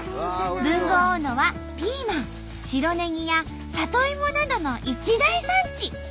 豊後大野はピーマン白ねぎや里芋などの一大産地。